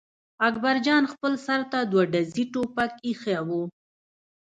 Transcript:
اکبر جان خپل سر ته دوه ډزي ټوپک اېښی و.